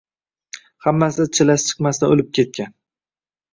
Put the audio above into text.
Hammasi chillasi chiqmasdan o‘lib ketgan.